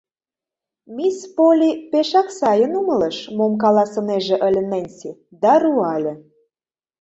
Мисс Полли пешак сайын умылыш, мом каласынеже ыле Ненси, да руале: